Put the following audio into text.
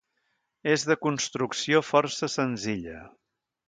És de construcció força senzilla.